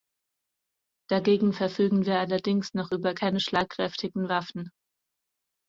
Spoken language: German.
Dagegen verfügen wir allerdings noch über keine schlagkräftigen Waffen.